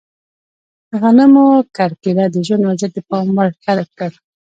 د غنمو کرکیله د ژوند وضعیت د پام وړ ښه کړ.